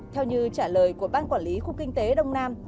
theo như trả lời của ban quản lý khu kinh tế đông nam